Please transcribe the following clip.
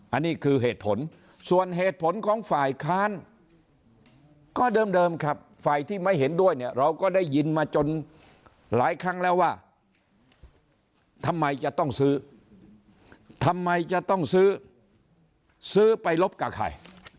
อันนี้คือเหตุผลส่วนเหตุผลของฝ่ายค้านก็เดิมครับฝ่ายที่ไม่เห็นด้วยเนี่ยเราก็ได้ยินมาจนหลายครั้งแล้วว่าทำไมจะต้องซื้อทำไมจะต้องซื้อซื้อไปลบกับใคร